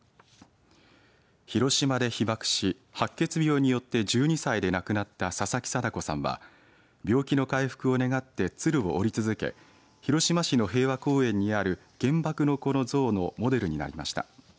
広島で被爆し白血病によって１２歳で亡くなった佐々木禎子さんは病気の回復を願って鶴を折り続け広島市の平和公園にある原爆の子の像のモデルになりました。